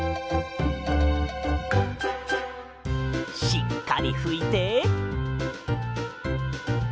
しっかりふいて。